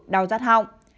đau giát hong